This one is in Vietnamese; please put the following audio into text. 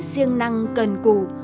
siêng năng cần cụ